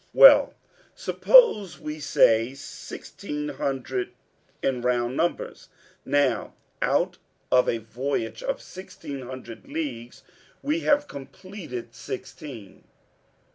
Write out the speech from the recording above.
"Well, suppose we say sixteen hundred in round numbers. Now, out of a voyage of sixteen hundred leagues we have completed sixteen."